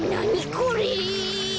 これ。